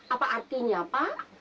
apa artinya pak